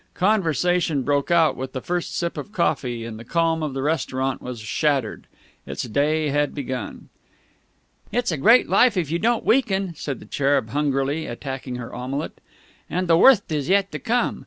Conversation broke out with the first sip of coffee, and the calm of the restaurant was shattered. Its day had begun. "It's a great life if you don't weaken," said the Cherub hungrily attacking her omelette. "And the wortht is yet to come!